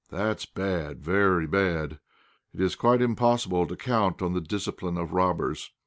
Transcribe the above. "That's bad! very bad; it is quite impossible to count on the discipline of robbers."